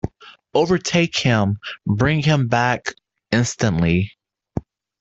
Overtake him; bring him back instantly!